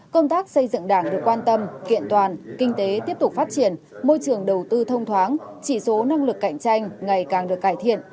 công tác xây dựng đảng được quan tâm kiện toàn kinh tế tiếp tục phát triển môi trường đầu tư thông thoáng chỉ số năng lực cạnh tranh ngày càng được cải thiện